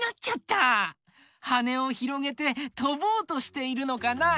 はねをひろげてとぼうとしているのかな？